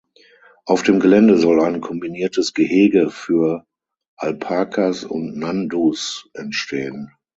Auf dem Gelände soll ein kombiniertes Gehege für Alpakas und Nandus entstehen.